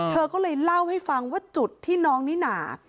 เธอก็เลยเล่าให้ฟังว่าจุดที่น้องนิน่า